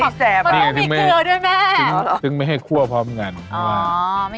ให้แซ่บมันต้องมีเกลือด้วยแม่ซึ่งไม่ให้คั่วพร้อมกันเพราะว่าอ๋อ